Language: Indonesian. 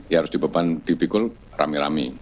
ya harus dibeban di pikul rame rame